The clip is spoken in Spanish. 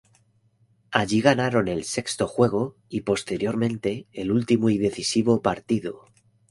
Allí ganaron el sexto juego y posteriormente el último y decisivo partido.